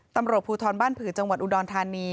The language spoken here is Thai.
ตำรวจภูทรบ้านผือจังหวัดอุดรธานี